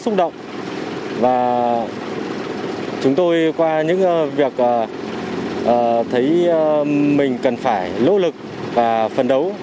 chúng tôi rất xúc động và chúng tôi qua những việc thấy mình cần phải lỗ lực và phần đấu